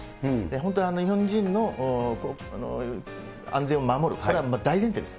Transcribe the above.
本当に日本人の安全を守る、これは大前提です。